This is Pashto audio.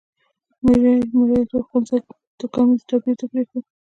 مریتوب خپل ځای توکمیز توپیر ته پرېښود.